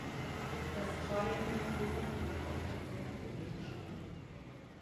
Das Triangle-Piercing wird oft als sehr angenehm beschrieben.